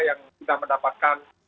yang sudah mendapatkan